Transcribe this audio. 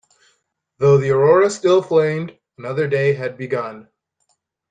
Though the aurora still flamed, another day had begun.